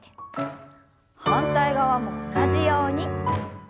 反対側も同じように。